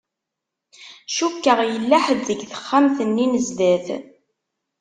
Cukkeɣ yella ḥedd deg texxamt-nni n zdat.